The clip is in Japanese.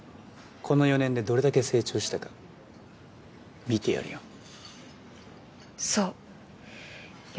この４年でどれだけ成長したか見てやるよ。